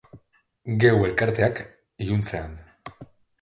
Geu elkarteak, iluntzean.